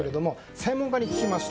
専門家に聞きました。